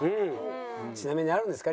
ちなみにあるんですか？